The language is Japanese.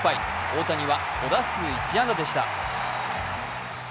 大谷は５打数１安打でした。